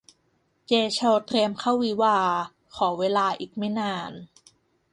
เจย์ โชว์ เตรียมเข้าวิวาห์ ขอเวลาอีกไม่นาน